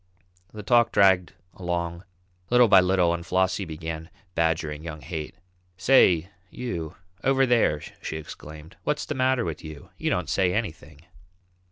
The talk dragged along little by little and Flossie began badgering young Haight. "Say, you over there," she exclaimed, "what's the matter with you? You don't say anything."